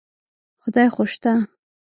خدای خو شته.